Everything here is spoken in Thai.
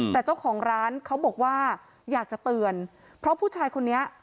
แต่เจ้าของร้านเขาบอกว่าอยากจะเตือนเพราะผู้ชายคนนี้